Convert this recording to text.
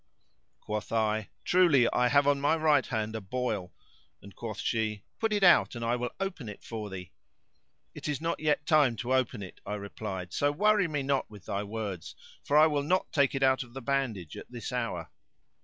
Quoth I, "Truly I have on my right hand a boil;" and quoth she, "Put it out and I will open it for thee."[FN#549] "It is not yet time to open it," I replied, "so worry me not with thy words, for I will not take it out of the bandage at this hour."